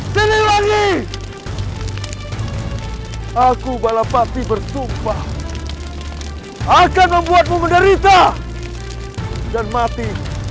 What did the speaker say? sini lagi aku balapati bersumpah akan membuatmu menderita dan mati